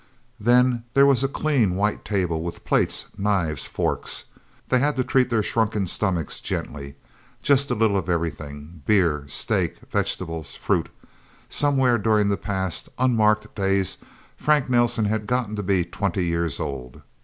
Then there was a clean, white table, with plates, knives, forks. They had to treat their shrunken stomachs gently just a little of everything beer, steak, vegetables, fruit... Somewhere during the past, unmarked days Frank Nelsen had gotten to be twenty years old.